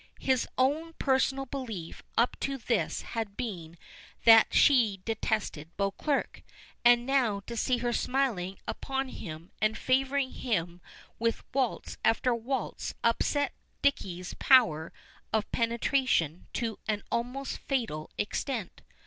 His own personal belief up to this had been that she detested Beauclerk, and now to see her smiling upon him and favoring him with waltz after waltz upsets Dicky's power of penetration to an almost fatal extent.